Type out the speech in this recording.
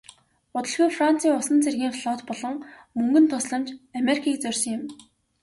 Удалгүй францын усан цэргийн флот болон мөнгөн тусламж америкийг зорьсон юм.